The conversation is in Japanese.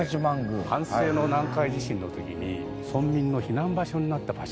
安政の南海地震の時に村民の避難場所になった場所なんですね。